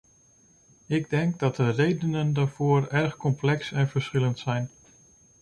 Ik denk dat de redenen daarvoor erg complex en verschillend zijn.